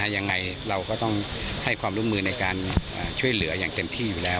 ยังไงเราก็ต้องให้ความร่วมมือในการช่วยเหลืออย่างเต็มที่อยู่แล้ว